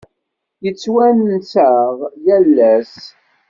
Yettwanas-aɣ yal ass.